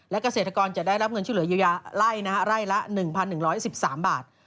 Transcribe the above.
และเกษตรกรจะได้รับเงินชุดเหลือยาไร่ละ๑๑๑๓บาท